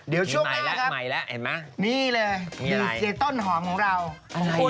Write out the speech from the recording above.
เดี๋ยวช่วงหน้าครับนี่เลยดูเวลาต้นหอมของเราเห็นมะมีอะไร